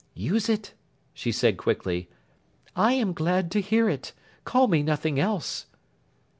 'Use it!' she said quickly. 'I am glad to hear it. Call me nothing else.